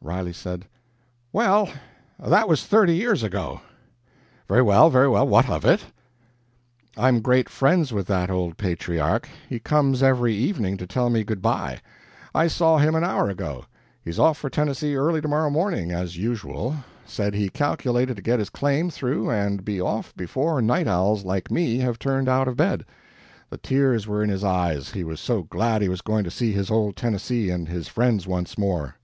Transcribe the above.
Riley said: "Well, that was thirty years ago." "Very well, very well what of it?" "I'm great friends with that old patriarch. He comes every evening to tell me good by. I saw him an hour ago he's off for Tennessee early tomorrow morning as usual; said he calculated to get his claim through and be off before night owls like me have turned out of bed. The tears were in his eyes, he was so glad he was going to see his old Tennessee and his friends once more."